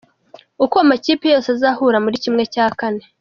Uko amakipe yose azahura muri kimwe cya kane